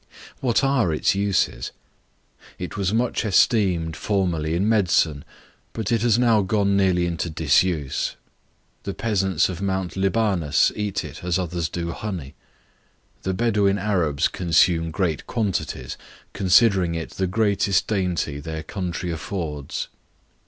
What are its uses? It was much esteemed formerly in medicine, but it has now gone nearly into disuse. The peasants of Mount Libanus eat it as others do honey. The Bedouin Arabs consume great quantities, considering it the greatest dainty their country affords.